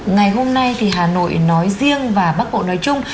ngày hôm nay hà nội nói riêng và bắc bộ nói chung